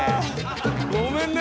ごめんね。